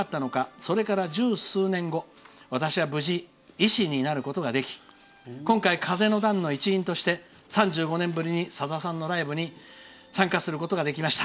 それから十数年後私は無事、医師になることができ今回、風の団の一員として３５年ぶりにさださんのライブに参加することができました。